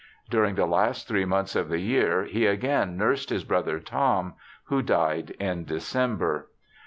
During the last three months of the year he again nursed his brother Tom, who died in December.